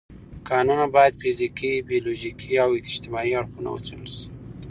کانونه باید فزیکي، بیولوژیکي او اجتماعي اړخونه وڅېړل شي.